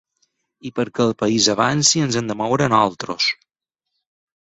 I perquè el país avanci, ens hem de moure nosaltres.